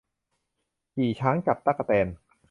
ขี่ช้างจับตั๊กแตน